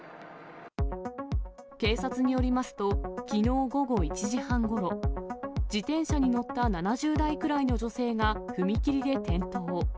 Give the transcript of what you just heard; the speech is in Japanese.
警察によりますと、きのう午後１時半ごろ、自転車に乗った７０代くらいの女性が、踏切で転倒。